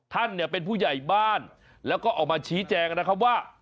ท่านเนี่ยเป็นผู้ใหญ่บ้านแล้วก็ออกมาชี้แจงนะครับว่า